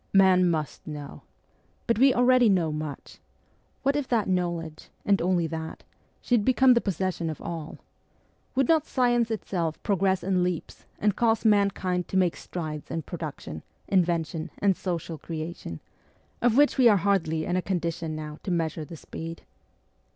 Man must know. But we already know much ! What if that knowledge and only that should become the posses sion of all ? Would not science itself progress in leaps and cause mankind to make strides in production, invention, and social creation, of which we are hardly in a condition now to measure the speed